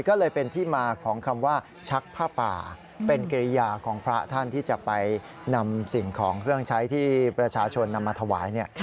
ก็เลยเป็นที่มาของคำว่าชักผ้าป่าเป็นกิริยาของพระท่านที่จะไปนำสิ่งของเครื่องใช้ที่ประชาชนนำมาถวายเนี่ย